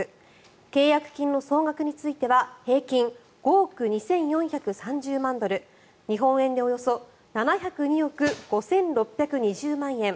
契約金の総額については平均５億２４３０万ドル日本円でおよそ７０２億５６２０万円。